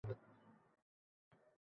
Prezidentlik eng xavfli kasb